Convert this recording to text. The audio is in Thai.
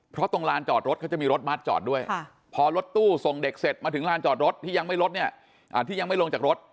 เพราะตรงลานจอดรถเขาจะมีรถบัสจอดด้วยพอรถตู้ส่งเด็กเสร็จมาถึงลานจอดรถที่ยังไม่ลงจากรถ